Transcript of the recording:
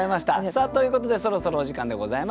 さあということでそろそろお時間でございます。